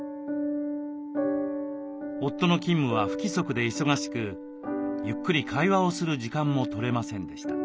夫の勤務は不規則で忙しくゆっくり会話をする時間も取れませんでした。